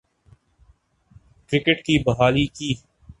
cricket کی بحالی کی